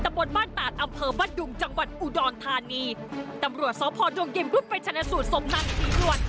แต่บนบ้านตาดอำเภอบัดดุงจังหวัดอุดรธานีตำรวจสอบภอดวงเย็นรุ่นไปชนสูตรสมนางศรีรวร